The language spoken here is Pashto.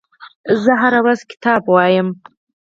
زه هره ورځ کتاب لولم.